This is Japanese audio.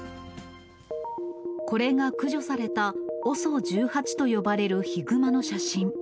これが駆除された、ＯＳＯ１８と呼ばれるヒグマの写真。